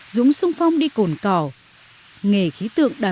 dũng sung phong đi cồn cỏ